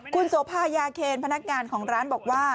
คุณโสภายาเคนพนักงานของร้านบอกว่า